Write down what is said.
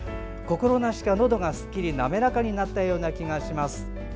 心なしか、のどがすっきり滑らかになったような気がします。